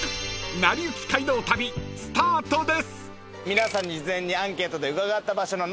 ［『なりゆき街道旅』スタートです］